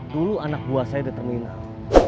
dulu anak buah saya di terminal